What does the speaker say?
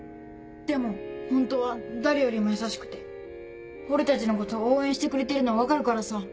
でもホントは誰よりも優しくて俺たちのこと応援してくれてるの分かるからさ。